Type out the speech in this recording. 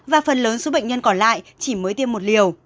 và phần lớn số bệnh nhân còn lại chỉ mới tiêm một liều